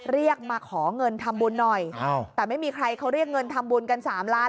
เรียกมาขอเงินทำบุญหน่อยแต่ไม่มีใครเขาเรียกเงินทำบุญกันสามล้าน